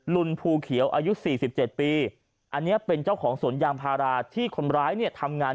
ลุนภูเขียวอายุ๔๗ปีอันนี้เป็นเจ้าของสวนยางพาราที่คนร้ายเนี่ยทำงาน